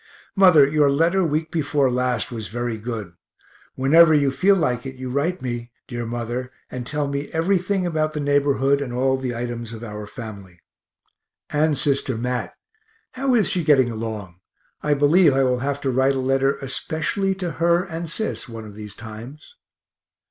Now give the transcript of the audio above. Mother, your letter week before last was very good whenever you feel like it you write me, dear mother, and tell me everything about the neighborhood and all the items of our family. And sister Mat, how is she getting along I believe I will have to write a letter especially to her and Sis one of these times.